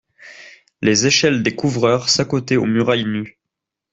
Les échelles des couvreurs s'accotaient aux murailles nues.